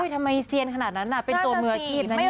ทำไมเซียนขนาดนั้นอ่ะเป็นโจมเมือชีพนะเนี่ย